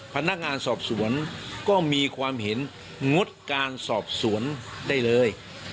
พนักงานสอบสวนก็มีความเห็นงดการสอบสวนได้เลย